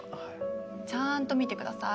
ちゃんと見てください。